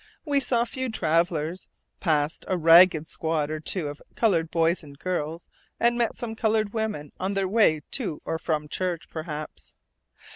We saw few travelers, passed a ragged squad or two of colored boys and girls, and met some colored women on their way to or from church, perhaps.